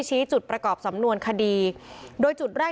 ทีมข่าวเราก็พยายามสอบปากคำในแหบนะครับ